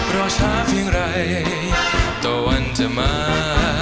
รอช้าเพียงไรตะวันจะมา